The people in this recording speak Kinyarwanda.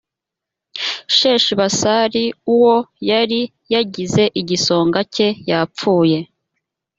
sheshibasari uwo yari yagize igisonga cye yapfuye